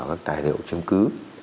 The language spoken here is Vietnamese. các tài liệu chứng cứ